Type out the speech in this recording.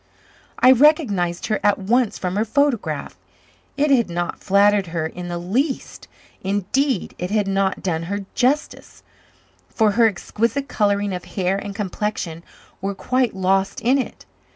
I recognized her at once from her photograph. It had not flattered her in the least; indeed, it had not done her justice, for her exquisite colouring of hair and complexion were quite lost in it.